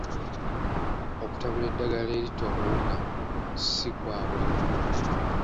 Okutabula eddagala eritta obuwuka si kwa buli omu.